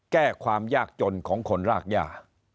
แก้ความยากจนของคนรากย่า